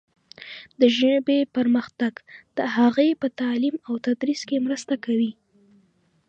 د ژبې پرمختګ د هغې په تعلیم او تدریس کې مرسته کوي.